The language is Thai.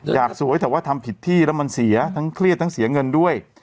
อยากสวยแต่ว่าทำผิดที่แล้วมันเสียทั้งเครียดทั้งเสียเงินด้วย